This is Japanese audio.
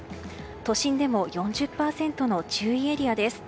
都心でも４０％の注意エリアです。